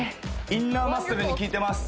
インナーマッスルに効いてます